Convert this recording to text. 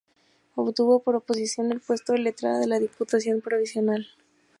Obtuvo por oposición el puesto de letrada de la Diputación Provincial.